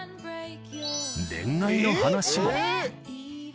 恋愛の話も。